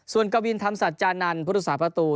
ส่วนกวินธรรมสัจจานันทร์พุทธศาสประตู